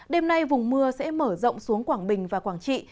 đêm nay vùng mưa sẽ mở rộng xuống quảng bình và quảng trị